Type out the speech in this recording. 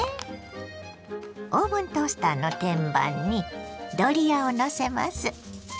オーブントースターの天板にドリアをのせます。